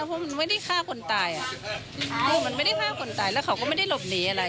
มันไม่ได้ฆ่าคนตายแล้วเขาก็ไม่ได้หลบหนีอะไร